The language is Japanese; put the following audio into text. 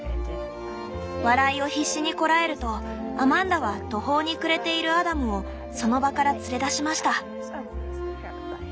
「笑いを必死にこらえるとアマンダは途方に暮れているアダムをその場から連れ出しました」。